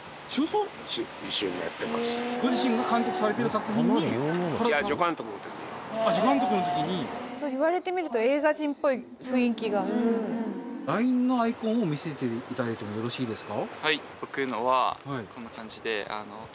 ご自身が監督されてる作品にあっ助監督の時に言われてみると映画人っぽい雰囲気がＬＩＮＥのアイコンを見せていただいてもよろしいですか？